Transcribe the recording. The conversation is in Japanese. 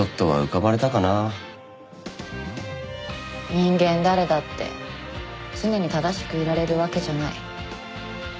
人間誰だって常に正しくいられるわけじゃない。